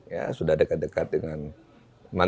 ya sudah dekat dekat dengan masyarakat